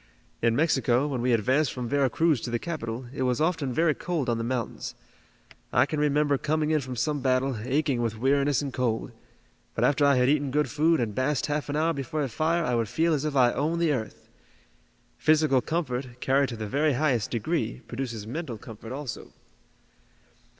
In Mexico, when we advanced from Vera Cruz to the capital, it was often very cold on the mountains. I can remember coming in from some battle, aching with weariness and cold, but after I had eaten good food and basked half an hour before a fire I would feel as if I owned the earth. Physical comfort, carried to the very highest degree, produces mental comfort also."